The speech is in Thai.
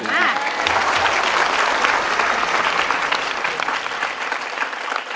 โอเค